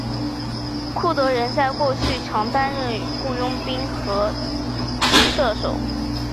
库德人在过去常担任雇佣兵和骑射手。